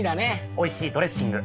おいしいドレッシング。